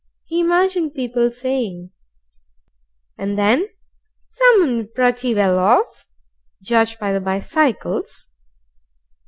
he imagined people saying; and then, "Some'n pretty well orf judge by the bicycles."